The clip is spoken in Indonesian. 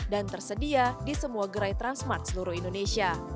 dan tersedia di semua gerai transmart seluruh indonesia